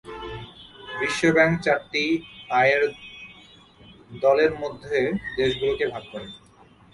বিশ্ব ব্যাংক চারটি আয়ের দলের মধ্যে দেশগুলোকে ভাগ করে।